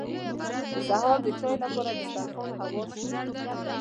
د سهار د چايو لپاره دسترخوان هوار شو.